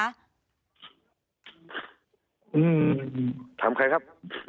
ถามใครครับ